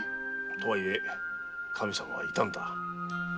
とはいえ神さまはいたんだ。